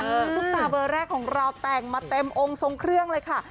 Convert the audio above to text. ซุปตาเบอร์แรกของเราแต่งมาเต็มองค์ทรงเครื่องเลยค่ะ